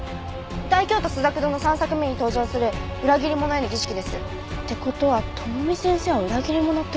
『大京都朱雀堂』の３作目に登場する裏切り者への儀式です。って事は智美先生は裏切り者って事？